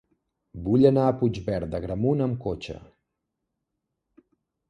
Vull anar a Puigverd d'Agramunt amb cotxe.